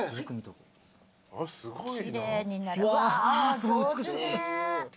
すごい美しい。